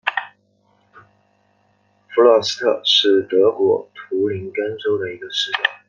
弗卢尔斯特是德国图林根州的一个市镇。